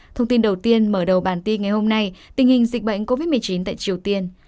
thông tin đầu tiên mở đầu bản tin ngày hôm nay tình hình dịch bệnh covid một mươi chín tại triều tiên